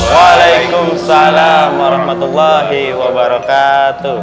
waalaikumsalam warahmatullahi wabarakatuh